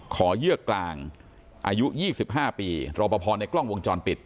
เยือกกลางอายุ๒๕ปีรอปภในกล้องวงจรปิด